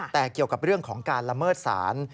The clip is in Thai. แต่เกี่ยวกับเรื่องของการละเมิดศาล